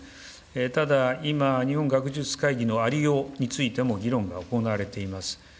ただ、今、日本学術会議のありようについても議論が行われています。